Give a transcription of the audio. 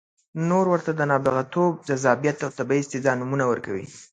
نور ورته د نابغتوب، جذابیت او طبیعي استعداد نومونه ورکوي.